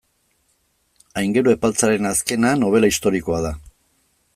Aingeru Epaltzaren azkena, nobela historikoa da.